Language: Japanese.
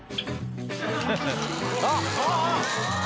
「あっ！」